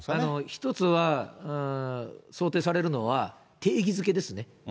一つは、想定されるのは、定義づけですね。